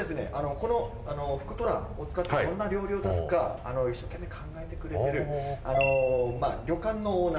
この福とらを使ってどんな料理を出すか一生懸命考えてくれてる旅館のオーナーとか飲食店のオーナー